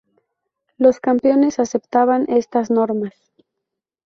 Los campeones aceptaban estas normas.